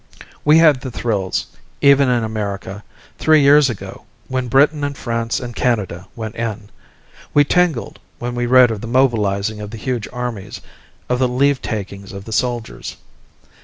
We had the thrills, even in America, three years ago, when Britain and France and Canada went in. We tingled when we read of the mobilizing of the huge armies, of the leave takings of the soldiers.